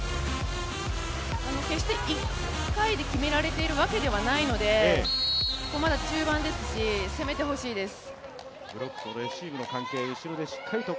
決して１回で決められているわけではないのでここまで中盤ですし、攻めてほしいです。